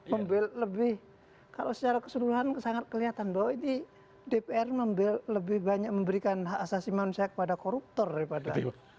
lebih kalau secara keseluruhan sangat kelihatan bahwa ini dpr lebih banyak memberikan hak asasi manusia kepada koruptor daripada